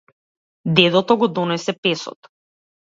Дедото го донесе песот.